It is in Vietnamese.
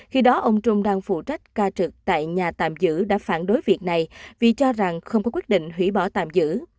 khi đó ông trung đang phụ trách ca trực tại nhà tạm giữ đã phản đối việc này vì cho rằng không có quyết định hủy bỏ tạm giữ